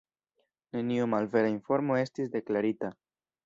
Neniu malvera informo estis deklarita.